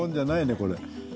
これ。